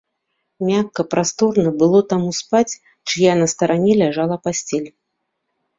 Мякка, прасторна было таму спаць, чыя на старане ляжала пасцель.